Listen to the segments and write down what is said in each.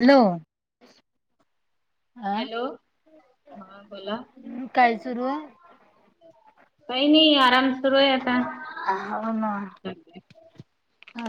Hello. आ hello हां बोला काय सुरू आहे? काही नाही आराम सुरू आहे आता हो ना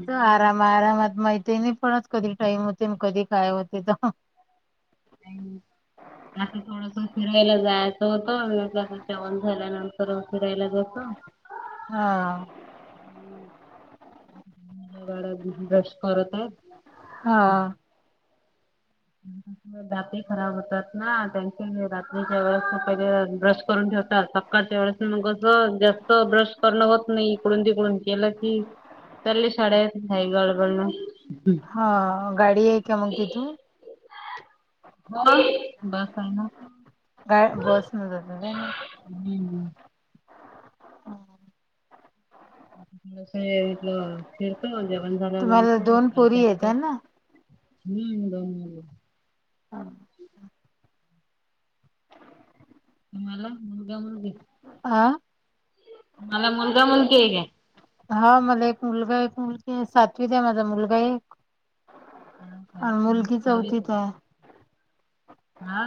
हम्म. आराम आरामात माहि तेने पणच कधी टाईम होते कधी काय होते तर आता थोडस फिरायला जायचं होतं आणि आप जेवण झाल्यानंतर फिरायला का हा. वाडा ब्रश करत आहे. हा. [inaudible] रात्री खराब होतात ना त्यांच्या रात्रीच्या वेळेस पहिल ब्रश करून ठेवत. सकाळच्या वेळेस मग असं जास्त ब्रश करण होत नाही इकडून तिकडून केलं की. चाले शाळेत सायकलवरन. हा गाडी आहे का मग तिथून. हो बस आहे ना. ग बसन जाते काय नाही. हम्म. कसाय फिरतय म्हणजे. तुम्हाला दोन पुरी येत आहे ना. हम् दोन मुली हम. तुम्हाला मुलगा मुलगे हा. तुम्हाला मुलगा मुलगी आहे का. हा मला एक मुलगा एक मुलगी सातवी आहे माझा मुलगा एक हा आणि मुलगी कालच चौथीत आहे. हा.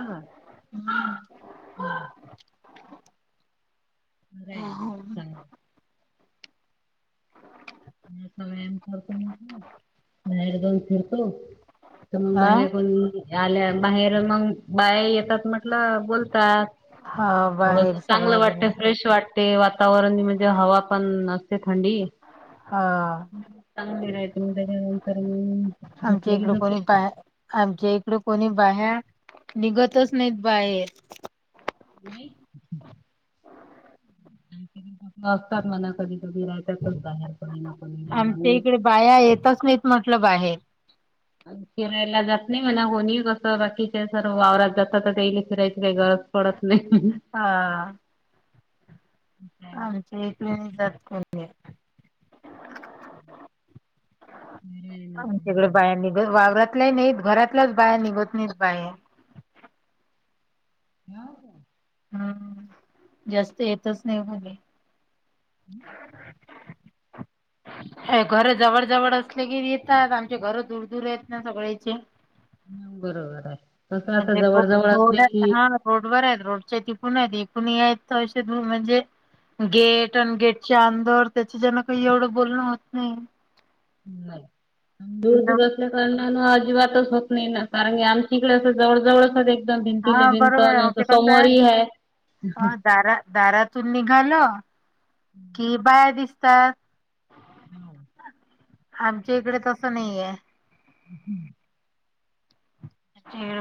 हम्म अरे चल. आमचा व्यायाम करतो मग बाहेर जाऊन फिरतो. तर मग अ बाहेर कोण. आल्या बाहेर मग बाहे येतात म्हटलं बोलतात. हा थोडस बाहेर चांगलं सगळ्याजण वाटत फ्रेश वाटत. ते वातावरण म्हणजे हवा पण असते थंडी हा चांगली राहते. आता जेवण करुन घेऊ. आमच्या इकड कोणी बा आमच्या इकड कोणी. बाहे्या निघतच नाहीत बाहेर. नाही. असतात म्हणा कधी कधी राहातच बाहेर. कोणी ना कोणी आमच्या आम्ही इकडे बाया येतच नाहीत म्हटलं बाहेर. फिरायला जात नाही म्हणा होणी कसं बाकीच्या सर्व वाववरात जात तर तेले फिरायचं वेगळ पडत. नाही. हा. आमच्या एक जात को. आमच्याकडे बाया निघत वावर. नाही घरातलंच बाया निघत नाहीच बाहे. ह का. हम् जास्त येतच नाही भग. हम्म. अ घर जवळ जवळ असले की येतात आमचे घर दूर दूर आहेत ना सगळेचे. ह बरोबर आहे. तसं आता म्हणजे जवळ जवळ रोड असले की हा रोड वर आहेत. रोडच्या तिकण आहेत एकण या षध म्हणजे. गेट आणि गेटच्या अंदर त्याच्या जना काही एवढं बोलणं होत नाही. नाही दूर-दूर असल्या कारणान आज. अजिबात होत नाही कारणी आम इडे जवळ जवळ. एकदम भिनती हा बरोबर आहे मग भिनंत ते कसं आहे समोर है. अ दारा दारातून निघाल कि बाया दिसतात. हम. आमच्या इकडे तसं नाहीय. हम्म.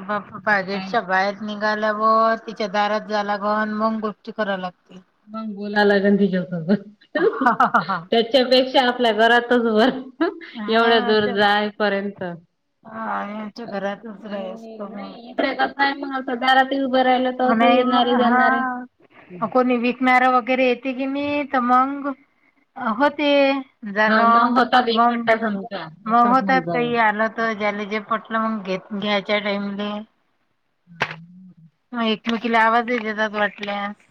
बा बा काय गेटच्या बाहेर नि. ला व तिच्या दारात झाला गण मग गोष्टी कराव लागते. मग बोलायलाही जेवत. हा त्याच्यापेक्षा आपल्या घरातच भर एवढं दूर आमच्या जायपर्यंत. आमच्या घरातच राय असतो मग. काधारात उभ राहिलल. नाही मग े जणार रे. हा कोणी विकणार वगैरे येते की मी तर मग होते. जाण हा होतात मग एकखट्टा समजा मग येतात होत जाऊ काही आलं तर ज्याला जे पटलं मग घेत घ्याच्या टाइमले. हा. मग एकमेकीला आवाज येतेतात वाटल्यास.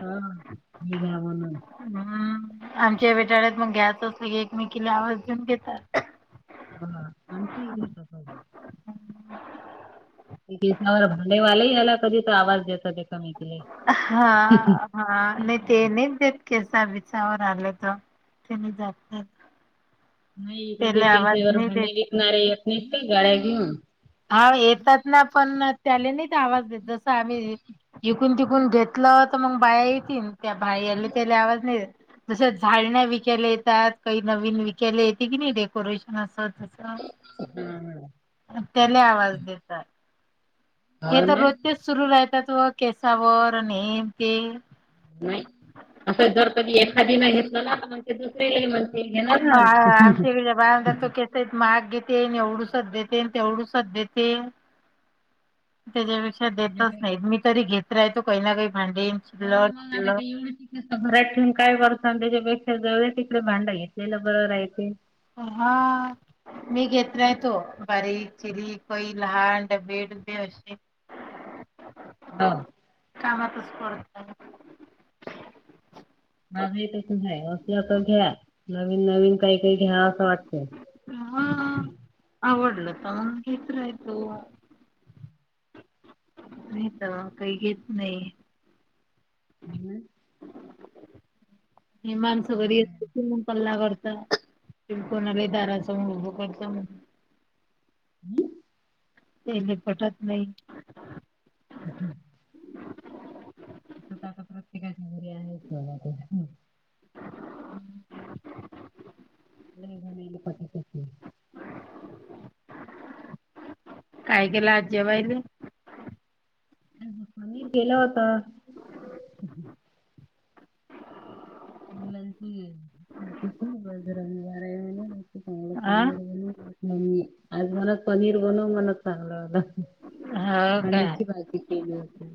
हा हठीग्यावन. हम्म आमच्या बेटाळ्यात मग घ्यायचं असलं की एकमेकीला आवाज देऊन घेतात. हा आणि ठीक आहे का. सावर भालेवालाही आला कधी तर आवाज देत. हा हा न ते नाही देत केस. विसावर आले तर तेनी जात. नाही इकड त्याला आवाज के नाही देत भांडे विकणारे येत नाही का गाड्या घेऊन. हा येतात ना पण. त्याला नाही आवाज देत जस आम्ही इिकून तिकून घेतलं तर मग बाया येतील. त्या बाईयल् त्याले आवाज नाही. तसे झाडण्या विकल्या येतात काही नवीन विकले येते की नाही डेकोरेशन असत. हम्म हम. त्याले आवाज देतात. हा हे हो तर ना रोजतेच सुरू राहतात व केसावर नेम ते. नाही असं जर कधी एखादी नाही घेतलं ना तर. ते दुसरीलाही म्हणते घेणार ना. अ आमच्याकडे ब तो केस महाग घेते ये एवढी. एसच देते तेवढुसच देते. त्यापे देतच नाही मी तरी घेत राो काही काही. भांडे का शिल्लक एवढ घात ठेऊन काय करत त्याच्यापेक्षा जवळ. आप भांडा घेतलेला बरर य ते. हा. मी घेतला आहे तो बारीक चिरी पई लहान डबे डबे असे. ह [inaudible] हा. कामातच करडत. च नाही असं अस घ्या नवीन नवीन काही काही घ्या. चछा. ड तम इत ययतो. नाही तर काही घेत नाही. हिमान सगरी असिन पल्लागड. तिमक दार अस उ करता. [inaudible] ते लिपटत नाही. [inaudible] त आता प्रत्येकाच्या घरी आहे. नाही नाही पट. काय केलं आज जेबायला. मी गेला होता. [unintelligible] चांगलं पनीर बनव हा आ मण पनीर बनव मण चांगलं हो हो काय पनीरची भाजी केली होती.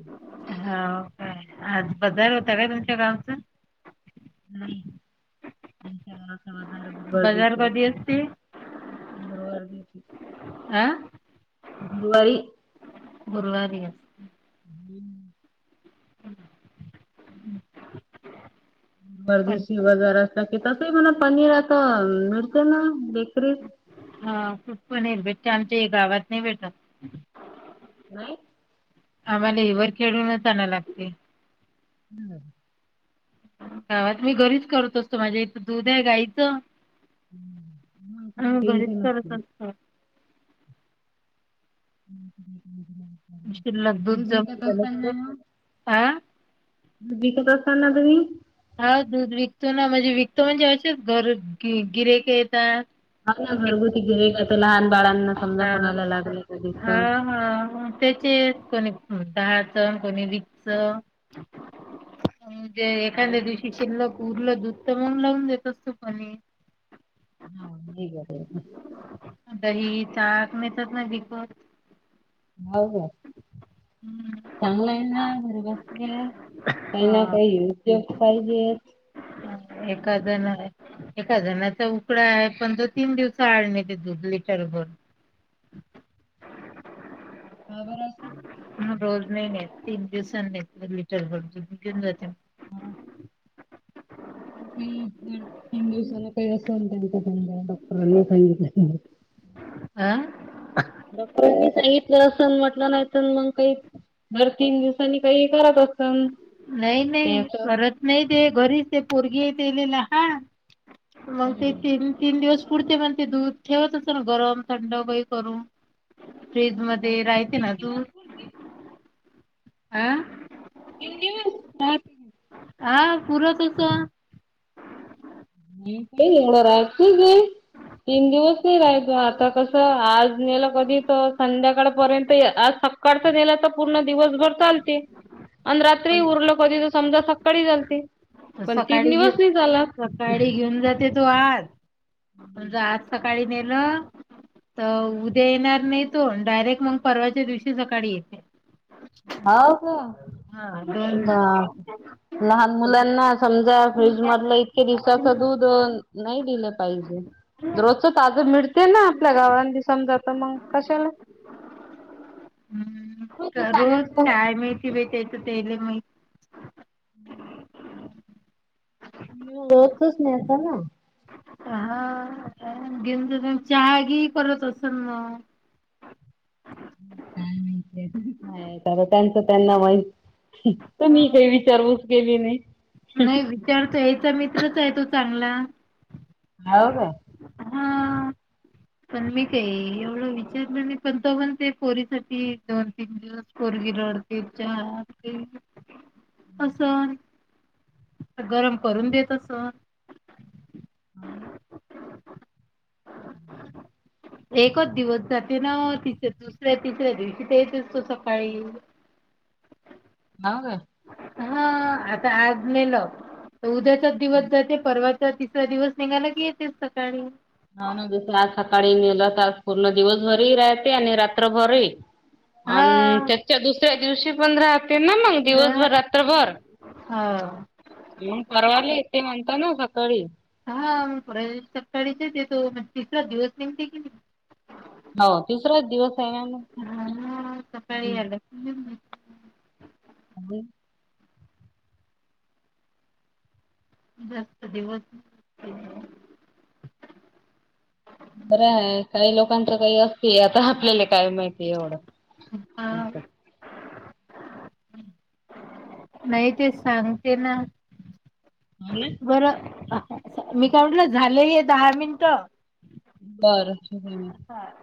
हो काय आज बजार होत का तुमच्या गावचं. [unintelligible] र गुरुवार बाजार दिवशी कधी असते गुरुवार दिवशी आ. गुरवारी. गुरुवारी अस. [inaudible] हम्म् गरदीशी बजारा कि तसही म्हणा पनीर आता मिळते ना बेकरीत. हा कुठ पण येईल भेट आमच्या गावात नाही भेटत. नाहीय. आम्हाला एवर खेळूनच आणा लागते. [inaudible] कावात मी घरीच करत असतो माझ्या इथं दूध आहे गाईचं. मग आमचं काही अा बरीच टेन्शन चालत असत. हम् हम् हम्. शिल्लक दूध जमलं ह. बीिकत असताना तुम्ही. हा दूध विकतो ना म्हणजे विकतो म्हणजे अशच घर गिरेक येता आपलं घरगुती केळी भाजी लहान बाळांना समजा हा कोणायला लागली कधी हा तर हा त्याचे कोणी दहा च कोणी वीस च णजे हो एखाद्या ना दिवशी शिल्ल उरलं दुत मून लावून देत असतो पणी. [unintelligible] दही ताक [unintelligible] हो का. हम्म चांगलं आहे ना [unintelligible] काही ना हा काही उद्योग पाहिजे. एका जण एका जणाचा उकडा आहे पण दो तीन दिवस आळणे ते झुबली का बरं असं [unintelligible] म रोज नाही घेत तीन दिवसांनी लिटरर घेऊन जाते. हा. काही हिंदुस्ना काही असं त्यां डॉक्टरां आ. डॉक्टरांनी सांगितलं अस म्हटलं नाही तर मग काही दर तीन दिवसांनी काही करत असत. नाही नाही परत नाही ते घरीच ते पोरगीेतले लहान मग ते बापरे तीन तीन दिवस पुढते म्हण ते दूध ठेवत असत ना गरम थंड काही करून. फ्रीज मध्ये राहते तीन ना तू दिवस पुरते अ [unintelligible] हा पुर तस म ते एवढं राहायचंच तीन दिवस नाही राहायचो आता कस आज नेलं कधी तर संध्याकाळपर्यंत आज सकाळच गेला तर पूर्ण दिवसभर चालते आणि रात्री उरल कध तर समजा सकाळी चालते पण तीन दिवस नाही चालात. गाडी घेऊन जाते तो आज तमज आज सकाळी नेलं तर उद्या येणार नाही तो डायरेक्ट मग परवाच्या दिवशी सकाळी येते. हो का हा दोन ब लहान मुलांना समजा फ्रीज मधलं इतक्या दिवसाचं दूध, नाही दिलं पाहिजे. रोजचं ताजं मिळते ना आपल्या गावा समजा तर मग कशाला, हम्म रोजच तरोज आणायचं काय माहिती भ त्याच तेले माहित. हम्म! हो तच नाहीता ना. घेऊ चहागी करत असेल ना का मा काय त्यांचं त्यांना माहि तर मी काही विचारवूस केली नाही. नाही विचारत याचा मित्रच आहे तो चांगला. ह का. हा. पण मी काही एवढं विचारलं नाही पण तो पण ते पोरीसाठी दोन तीन दिवस पोरी गिरडते च असं गरम करून देतस. [unintelligible] [unintelligible] एकच दिवस जाते ना ति दुसऱ्या तिसऱ्या दिवशी ते येत असतो सकाळी [unintelligible] हव काय. हा आता आजलेलं उद्याचाच दिवस जाते परवा तिसरा दिवस निघायला की येतेस सकाळी. ह ना दिस आज सकाळी नेलं तर आज पूर्ण दिवसभरही राहते आणि रात्रभरही. आणि हा त्याच्या दुसऱ्या दिवशी पण रा ते ना मग हा दिवसभर रात्रभर हा मग परवा ते म्हणता ना सकाळी, हा पु सप्टचे ते तिसरा दिवस निती की नाही. हो तिसराच दिवस आहे यानंतर, हा सकाळी आला की घेऊन येते. अ दस् दिवस, बर आहे काही लोकांचं काही असते आता आपल्याला. काय माहिती एवढं, हा नाही ते सांगते ना! हो ना बरं मी काय म्हटलं झालं आहे दहा मिनट, बरं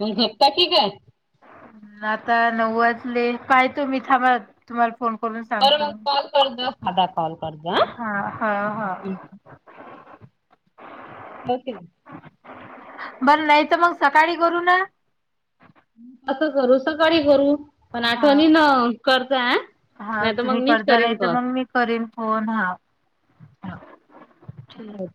मग झप्ता क काय, आता नऊ वाचले पाहतो मी थांब तुम्हाला फोन, करून सांगतो. बरोबर कॉल करज साध कॉल करज, हा हा हा होकले, बर नाही तर मग सकाळी करू ना असं करू सकाळी करू पण हा आठवणी न करत हा तुम्ही करज नाही तर मग मी करीन फोन हा ठीक. अ